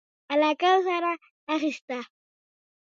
علاقه ورسره اخیسته.